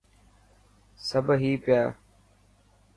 سب هي پيا.